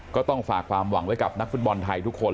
ก็ต้องฝากความหวังไว้กับนักฟุตบอลไทยทุกคน